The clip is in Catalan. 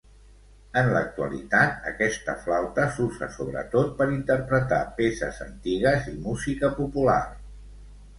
En l'actualitat aquesta flauta s'usa sobretot per interpretar peces antigues i música popular.